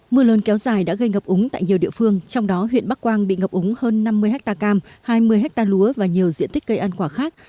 mưa lớn kéo dài đã gây ngập úng tại nhiều địa phương trong đó huyện bắc quang bị ngập úng hơn năm mươi hectare cam hai mươi hectare lúa và nhiều diện tích cây ăn quả khác